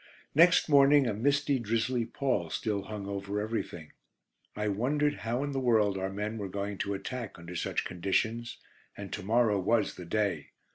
Next morning a misty, drizzly pall still hung over everything. I wondered how in the world our men were going to attack under such conditions, and to morrow was "The Day."